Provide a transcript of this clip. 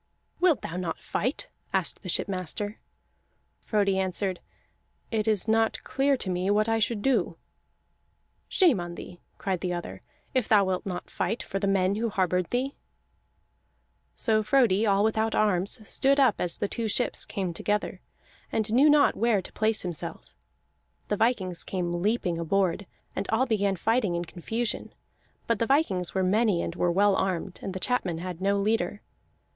"Wilt thou not fight?" asked the shipmaster. Frodi answered: "It is not clear to me what I should do." "Shame on thee," cried the other, "if thou wilt not fight for the men who harbored thee!" [Illustration: "So tall was she that the vikings could not board her"] So Frodi, all without arms, stood up as the two ships came together, and knew not where to place himself. The vikings came leaping aboard, and all began fighting in confusion; but the vikings were many and were well armed, and the chapmen had no leader.